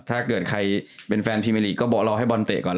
ถ้าเกิดใครเป็นแฟนทีมเอลีกก็รอให้บอลเตะก่อน